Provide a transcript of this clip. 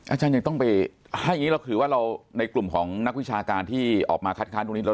อาจารย์ยังต้องไปถ้าอย่างนี้เราถือว่าเราในกลุ่มของนักวิชาการที่ออกมาคัดค้านตรงนี้